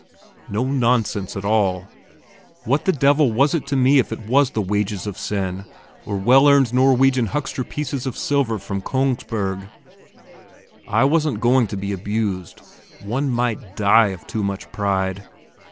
No nonsense at all! What the devil was it to me if it was the wages of sin, or well earned Norwegian huckster pieces of silver from Kongsberg? I wasn't going to be abused; one might die of too much pride....